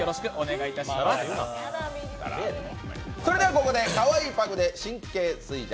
ここで、かわいいパグで神経衰弱！